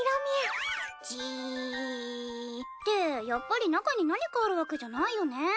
やっぱり中に何かあるわけじゃないよね。